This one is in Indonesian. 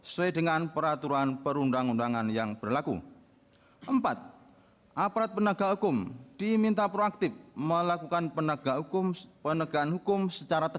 kepulauan seribu kepulauan seribu